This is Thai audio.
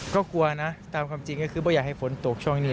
ก็กลัวนะตามความจริงก็คือไม่อยากให้ฝนตกช่วงนี้